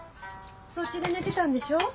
そっちで寝てたんでしょ？